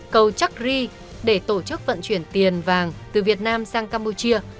cầu chắc ri để tổ chức vận chuyển tiền vàng từ việt nam sang campuchia